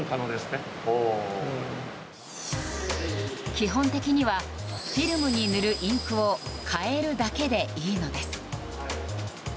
基本的にはフィルムに塗るインクを変えるだけでいいのです。